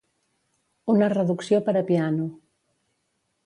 Una reducció per a piano.